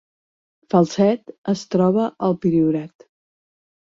Falset es troba al Priorat